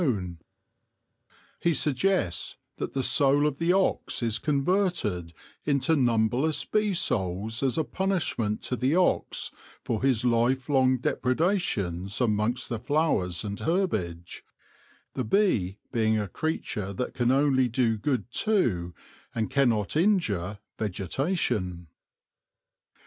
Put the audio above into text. THE ANCIENTS AND THE HONEY BEE 7 He suggests that the soul of the ox is converted into numberless bee souls as a punishment to the ox for his lifelong depredations amongst the flowers and herbage, tne bee being a creature that can only do good to, and cannot injure, vegetation.